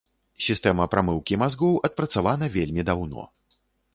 Сістэма прамыўкі мазгоў адпрацавана вельмі даўно.